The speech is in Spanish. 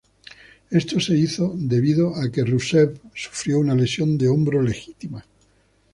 Esto se hizo debido a que Rusev sufrió una lesión de hombro legítima.